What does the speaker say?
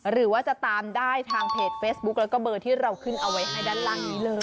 หรือว่าจะตามได้ทางเพจเฟซบุ๊กแล้วก็เบอร์ที่เราขึ้นเอาไว้ให้ด้านล่างนี้เลย